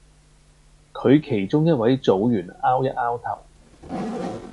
佢其中一位組員 𢯎 一 𢯎 頭